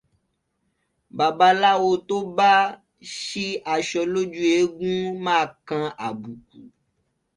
Babaláwo tó bá ti ṣí aṣọ lójú eégún máa kan àbùkù